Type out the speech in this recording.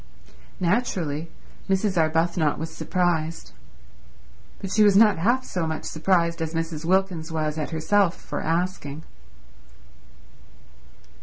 Naturally Mrs. Arbuthnot was surprised; but she was not half so much surprised as Mrs. Wilkins was at herself for asking.